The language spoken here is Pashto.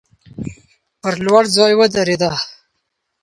پر لوړ ځای ودریږه.